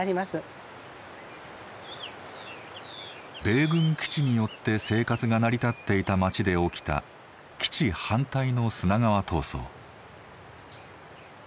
米軍基地によって生活が成り立っていた町で起きた基地反対の砂川闘争。